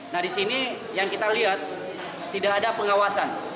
nah di sini yang kita lihat tidak ada pengawasan